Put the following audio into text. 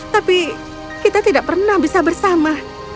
tapi kita tidak pernah bisa bersama